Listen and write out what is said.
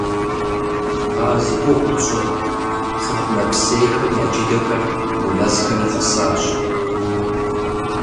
А зи гугъу тщӏы цӏыху нэпсейхэм я джыдэхэр мы мэзхэми къэсащ.